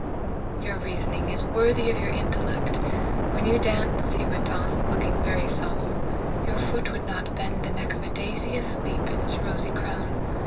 "Your reasoning is worthy of your intellect. When you dance," he went on, looking very solemn, "your foot would not bend the neck of a daisy asleep in its rosy crown.